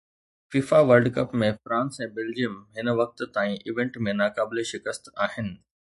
FIFA World Cup ۾ France ۽ Belgium هن وقت تائين ايونٽ ۾ ناقابل شڪست آهن